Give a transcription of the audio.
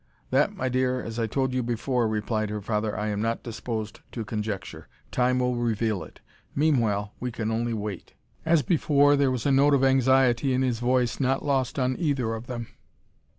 "That, my dear, as I told you before," replied her father, "I am not disposed to conjecture. Time will reveal it. Meanwhile, we can only wait." As before, there was a note of anxiety in his voice not lost on either of them.